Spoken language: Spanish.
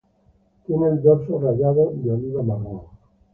Tiene el dorso rayado de oliva-marrón.